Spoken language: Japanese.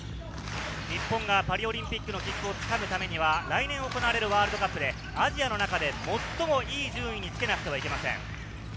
日本がパリオリンピックの切符を掴むためには来年行われるワールドカップでアジアの中で最もいい順位につけなくてはいけません。